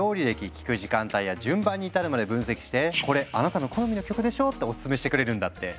聴く時間帯や順番に至るまで分析して「これあなたの好みの曲でしょ？」ってオススメしてくれるんだって。